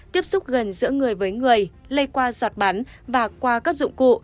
tiếp xúc gần giữa người với người lây qua giọt bắn và qua các dụng cụ